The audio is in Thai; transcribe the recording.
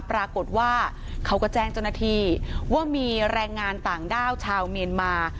ปรากฏว่าเขาก็แจ้งเจ้าหน้าที่ว่ามีแรงงานต่างด้าวชาวเมียนมา